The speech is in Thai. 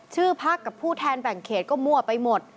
พักกับผู้แทนแบ่งเขตก็มั่วไปหมด